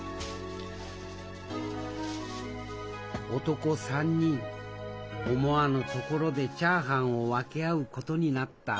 男３人思わぬ所でチャーハンを分け合うことになった